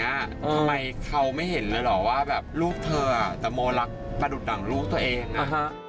ทำไมเขาไม่เห็นเลยหรอกว่าลูกเธอแต่โมรักประดุษฎังลูกตัวเองนะ